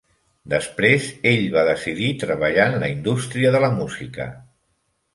Després, ell va decidir treballar en la indústria de la música.